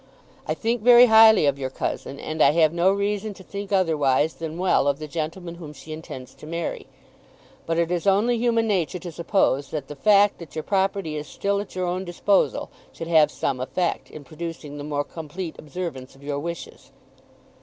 I think very highly of your cousin, and I have no reason to think otherwise than well of the gentleman whom she intends to marry. But it is only human nature to suppose that the fact that your property is still at your own disposal should have some effect in producing a more complete observance of your wishes."